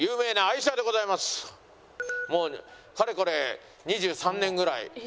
もうかれこれ２３年ぐらい。